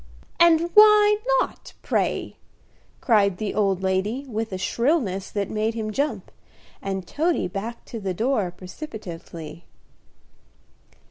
"And why not, pray?" cried the old lady, with a shrillness that made him jump, and Toady back to the door precipitately.